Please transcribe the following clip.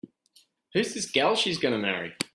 Who's this gal she's gonna marry?